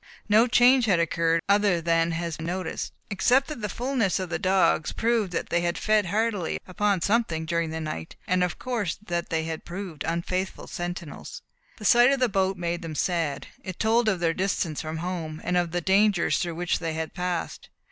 No change had occurred, other than has been noticed, except that the fulness of the dogs proved that they had fed heartily upon something during the night; and of course that they had proved unfaithful sentinels. The sight of the boat made them sad. It told of their distance from home, and of the dangers through which they had passed.